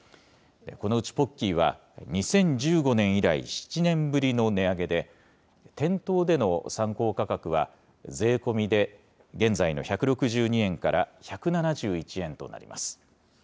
このうちポッキーは、２０１５年以来７年ぶりの値上げで、店頭での参考価格は税込みで現在の１６２円から１７１円となります。